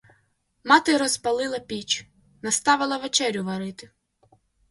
Мати розпалила піч, наставила вечерю варити.